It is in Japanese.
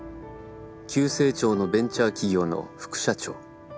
急成長のベンチャー企業の副社長。